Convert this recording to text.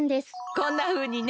こんなふうにね。